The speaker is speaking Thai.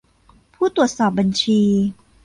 ผู้ตรวจสอบบัญชี